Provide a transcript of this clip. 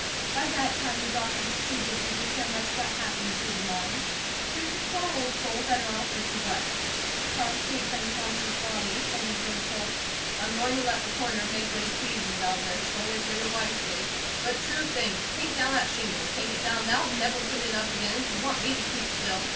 By that time the doctor was too busy to care much what happened to Peter Mines; he was a poor old soul better off as he was. Across Kate's unconscious body he said to George Holt: "I'm going to let the Coroner make what he pleases out of this, solely for your wife's sake. But two things: take down that shingle. Take it down now, and never put it up again if you want me to keep still.